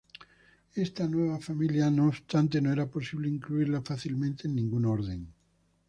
Esta nueva familia, no obstante, no era posible incluirla fácilmente en ningún orden.